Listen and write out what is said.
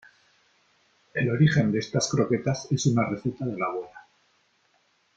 El origen de estas croquetas es una receta de la abuela.